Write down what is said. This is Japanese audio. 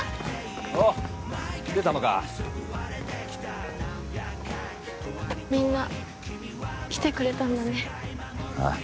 おう来てたのかみんな来てくれたんだねああ